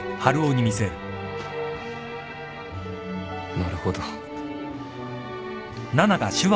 なるほど。